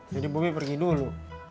jadi bobby pergi dulu